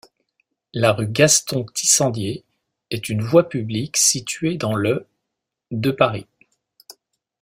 La rue Gaston-Tissandier est une voie publique située dans le de Paris.